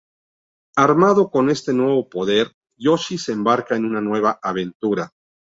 Armado con este nuevo poder, Yoshi se embarca en una nueva aventura.